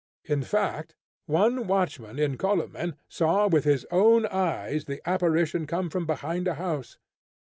In fact, one watchman in Kolomen saw with his own eyes the apparition come from behind a house.